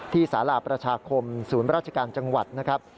สาราประชาคมศูนย์ราชการจังหวัดนะครับ